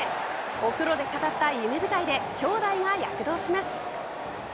お風呂で語った夢舞台で兄弟が躍動します。